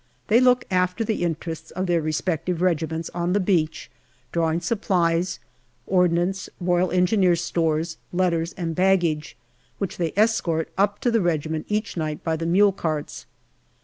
They look after the interests of their respective regiments on the beach, drawing supplies, ordnance, R.E. stores, letters, and baggage, which they escort up to the regiment each night by the mule carts.